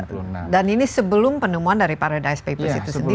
betul dan ini sebelum penemuan dari paradise papers itu sendiri